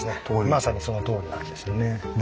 まさにそのとおりなんですよね。